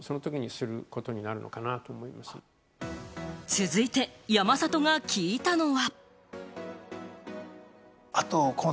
続いて山里が聞いたのは。